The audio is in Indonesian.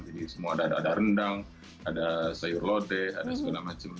jadi semua ada rendang ada sayur lode ada segala macam